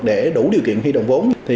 để đủ điều kiện huy động vốn